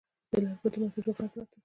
د لرګو د ماتېدو غږ راته.